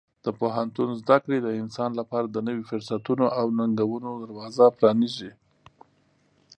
د پوهنتون زده کړې د انسان لپاره د نوي فرصتونو او ننګونو دروازه پرانیزي.